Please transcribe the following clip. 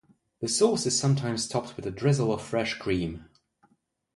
The sauce is sometimes topped with a drizzle of fresh cream.